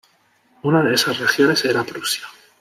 Una de esas regiones era Prusia.